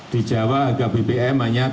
di jawa harga bbm hanya rp tujuh